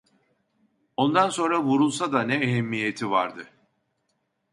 Ondan sonra vurulsa da ne ehemmiyeti vardı.